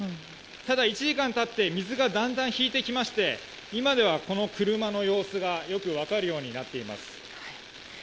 ただ１時間経って水がだんだん引いてきまして今では車の様子がよく分かるようになっています。